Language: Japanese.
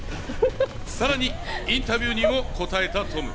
さらにインタビューにも答えたトム。